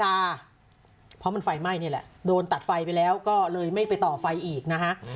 เพราะมันไฟไหม้นี่แหละโดนตัดไฟไปแล้วก็เลยไม่ไปต่อไฟอีกนะฮะ